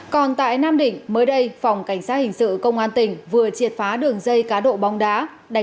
còn tại nam định mới đây phòng cảnh sát hình sự công an tỉnh vừa triệt phá đường dây cá độ bóng đá